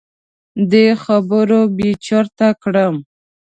دې خبرو بې چرته کړم.